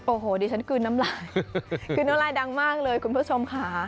โอ้โหดิฉันกลืนน้ำลายกลืนน้ำลายดังมากเลยคุณผู้ชมค่ะ